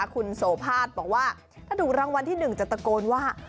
คุณโสภาษบอกว่าถ้าถูกรางวัลที่๑จะตะโกนว่า